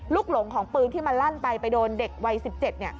หลงของปืนที่มันลั่นไปไปโดนเด็กวัย๑๗